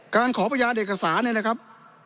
การขอพยานเอกสารเนี่ยนะครับ